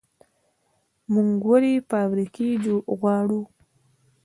موږ ولې فابریکې غواړو؟